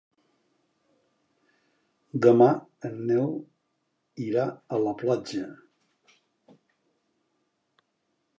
Demà en Nel irà a la platja.